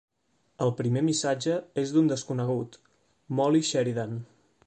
El primer missatge és d'un desconegut, Molly Sheridan.